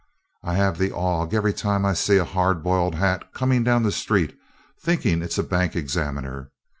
I have the ague every time I see a hard boiled hat comin' down the street, thinkin' it's a bank examiner.